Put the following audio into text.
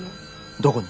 どこに？